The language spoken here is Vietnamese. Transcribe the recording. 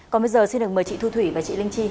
còn bây giờ xin được mời chị thu thủy và chị linh chi